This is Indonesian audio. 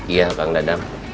iya bang dadam